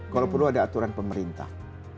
kalau perlu ada aturan pemerintah